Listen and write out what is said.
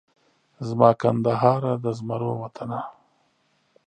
زما کندهاره د زمرو وطنه